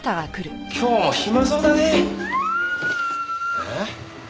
「」えっ？